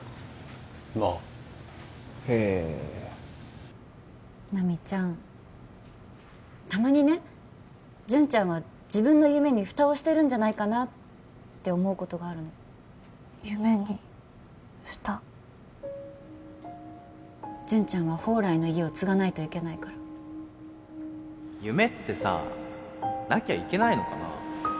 まあへえっ奈未ちゃんたまにね潤ちゃんは自分の夢にフタをしているんじゃないかなって思うことがあるの夢にフタ潤ちゃんは宝来の家を継がないといけないから夢ってさなきゃいけないのかな？